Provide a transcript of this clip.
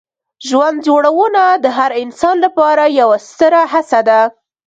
ژوند جوړونه د هر انسان لپاره یوه ستره هڅه ده.